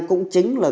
cũng chính là